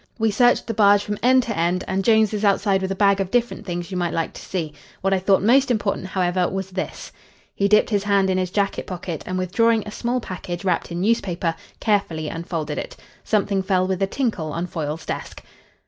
We searched the barge from end to end, and Jones is outside with a bag of different things you might like to see. What I thought most important, however, was this." He dipped his hand in his jacket pocket and, withdrawing a small package wrapped in newspaper, carefully unfolded it. Something fell with a tinkle on Foyle's desk.